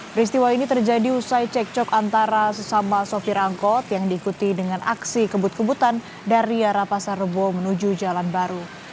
peristiwa ini terjadi usai cekcok antara sesama sopir angkot yang diikuti dengan aksi kebut kebutan dari arah pasar rebo menuju jalan baru